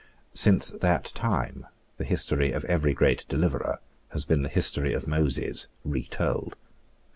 Since that time the history of every great deliverer has been the history of Moses retold.